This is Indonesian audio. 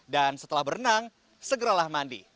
dan setelah berenang segeralah mandi